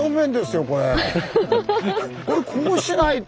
これこうしないと。